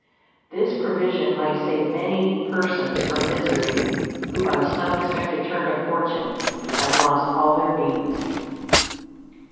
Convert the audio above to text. This provision might save many persons from misery, who by some unexpected turn of fortune have lost all their means.